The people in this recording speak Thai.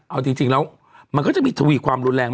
เอาจริงแล้วมันก็จะมีทวีความรุนแรง